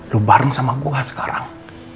lu bareng sama gue sekarang